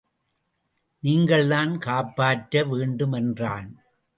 நீங்கள்தான் காப்பாற்ற வேண்டும் என்றான்.